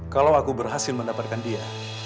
kalau aku berhasil mendapatkan dia